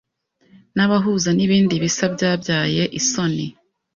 Nabahuza nibindi bisa byabyaye isoni